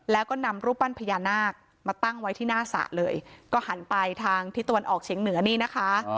แล้วก็นำรูปปั้นพญานาคมาตั้งไว้ที่หน้าสระเลยก็หันไปทางทิศตะวันออกเฉียงเหนือนี่นะคะ